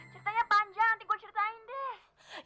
ceritanya panjang nanti gue ceritain deh